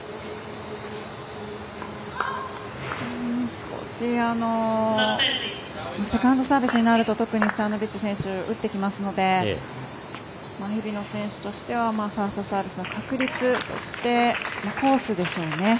少しセカンドサービスになると、特にストヤノビッチ選手は打ってきますので日比野選手としてはファーストサービスの確率そして、コースでしょうね。